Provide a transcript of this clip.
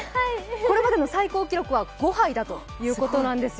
これまでの最高記録は５杯だということです。